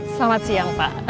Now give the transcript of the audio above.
selamat siang pak